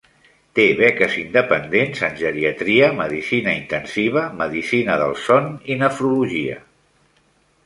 Té beques independents en geriatria, medicina intensiva, medicina del son i nefrologia.